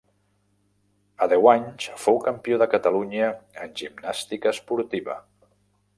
A deu anys fou campió de Catalunya en gimnàstica esportiva.